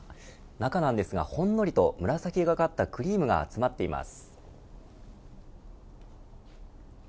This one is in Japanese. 中なんですがほんのりと紫がかったクリームが詰まっています。